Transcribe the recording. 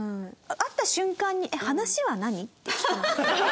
会った瞬間に「話は何？」って聞きます。